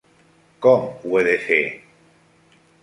Com ho he de fer?